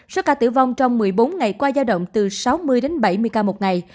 số ca tử vong trong một mươi bốn ngày qua giao động từ sáu mươi đến bảy mươi ca một ngày